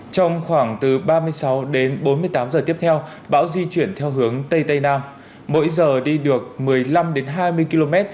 trong khoảng từ ba mươi sáu đến bốn mươi tám giờ tiếp theo bão di chuyển theo hướng tây tây nam mỗi giờ đi được một mươi năm hai mươi km